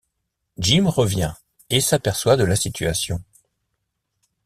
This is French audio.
Jim revient et s'aperçoit de la situation.